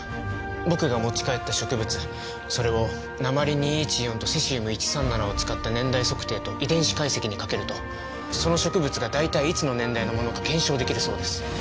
僕が持ち帰った植物それを鉛２１４とセシウム１３７を使った年代測定と遺伝子解析にかけるとその植物が大体いつの年代のものか検証できるそうです